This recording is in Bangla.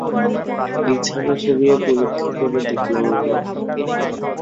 বিছানা সরিয়ে পরীক্ষা করে দেখলাম আমি।